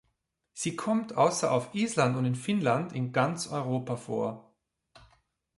Sie kommt außer auf Island und in Finnland in ganz Europa vor.